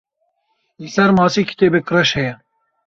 Li ser masê kitêbek reş heye.